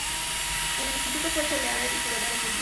En el instituto fue cheerleader y jugadora de softball.